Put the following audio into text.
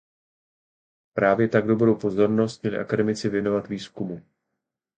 Právě tak dobrou pozornost měli akademici věnovat výzkumu.